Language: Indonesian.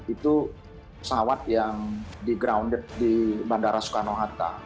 itu pesawat yang di grounded di bandara soekarno hatta